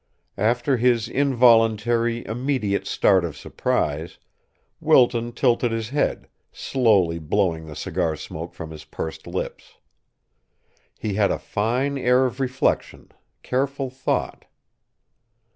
After his involuntary, immediate start of surprise, Wilton tilted his head, slowly blowing the cigar smoke from his pursed lips. He had a fine air of reflection, careful thought.